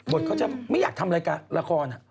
เขาจะไม่อยากทำรายการละคร